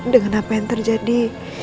dengan apa yang terjadi